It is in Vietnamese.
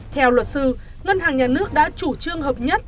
theo luật sư ngân hàng nhà nước đã chủ trương hợp nhất